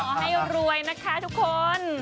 คุณพวกนี้ขอให้รวยนะคะทุกคน